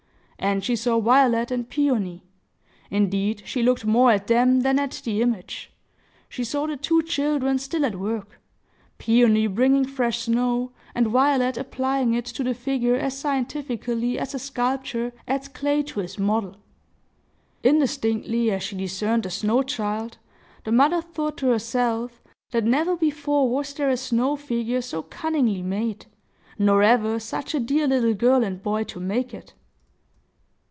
And she saw Violet and Peony,—indeed, she looked more at them than at the image,—she saw the two children still at work; Peony bringing fresh snow, and Violet applying it to the figure as scientifically as a sculptor adds clay to his model. Indistinctly as she discerned the snow child, the mother thought to herself that never before was there a snow figure so cunningly made, nor ever such a dear little girl and boy to make it.